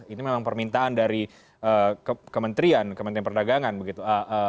ini memang permintaan dari kementerian kementerian perdagangan begitu